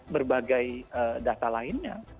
berbagai data lainnya